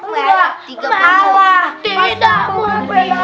malah tidak mungkin